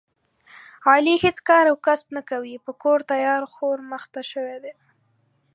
علي هېڅ کار او کسب نه کوي، په کور تیار خور مخته شوی دی.